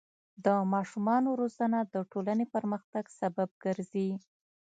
د ماشومانو روزنه د ټولنې پرمختګ سبب ګرځي.